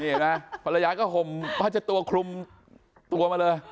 นี่เห็นไหมภรรยากระห่มพัชตัวคลุมตัวมาเลย